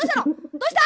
どうした？